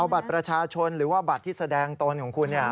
บัตรประชาชนหรือว่าบัตรที่แสดงตนของคุณเนี่ย